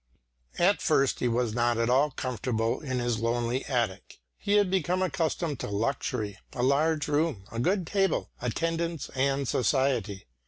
At first he was not at all comfortable in his lonely attic. He had become accustomed to luxury, a large room, a good table, attendance and society.